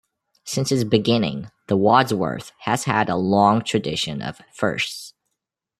Since its beginning, the Wadsworth has had a long tradition of "firsts".